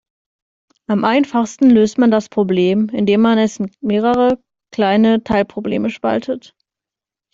Am einfachsten löst man das Problem, indem man es in mehrere kleine Teilprobleme spaltet.